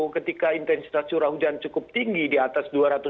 ketika intensitas curah hujan cukup tinggi di atas dua ratus